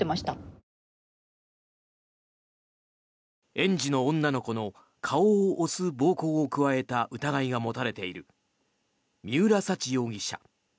園児の女の子の顔を押す暴行を加えた疑いが持たれている三浦沙知容疑者。